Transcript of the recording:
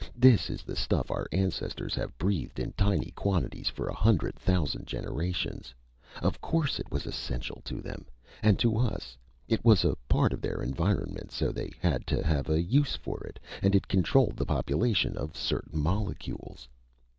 This is the stuff our ancestors have breathed in tiny quantities for a hundred thousand generations! Of course it was essential to them! And to us! It was a part of their environment, so they had to have a use for it! And it controlled the population of certain molecules...."